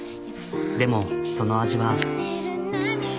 でもその味は。